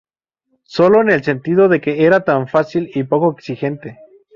Sólo en el sentido de que era tan fácil y poco exigente".